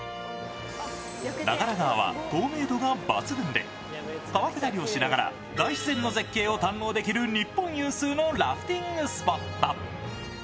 長良川は透明度が抜群で川下りをしながら大自然の絶景を堪能できる日本有数のラフティングスポット。